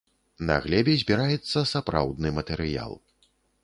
На глебе збіраецца сапраўдны матэрыял.